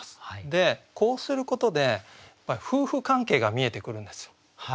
でこうすることでやっぱり夫婦関係が見えてくるんですよ。